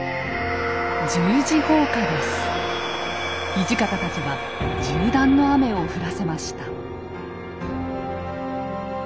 土方たちは銃弾の雨を降らせました。